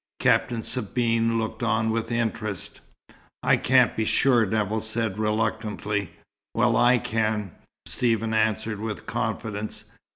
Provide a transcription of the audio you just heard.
Captain Sabine looked on with interest. "I can't be sure," Nevill said reluctantly. "Well, I can," Stephen answered with confidence.